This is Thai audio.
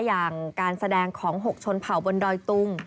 อย่างการแสดงของ๖ชนเผ่าบนดอยตุง